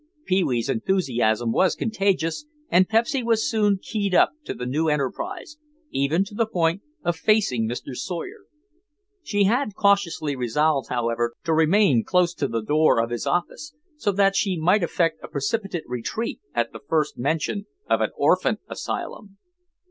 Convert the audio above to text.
Pee wee's enthusiasm was contagious and Pepsy was soon keyed up to the new enterprise, even to the point of facing Mr. Sawyer. She had cautiously resolved, however, to remain close to the door of his office, so that she might effect a precipitate retreat at the first mention of an orphan asylum.